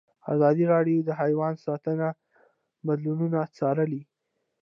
ازادي راډیو د حیوان ساتنه بدلونونه څارلي.